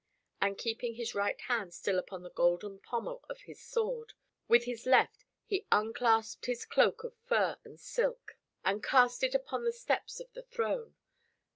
And keeping his right hand still upon the golden pommel of his sword, with his left he unclasped his cloak of fur and silk and cast it upon the steps of the throne.